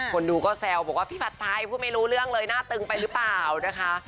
คนดูก็แซวบอกว่าพี่ผัดไทยพูดไม่รู้เรื่องเลยหน้าตึงไปหรือเปล่านะคะ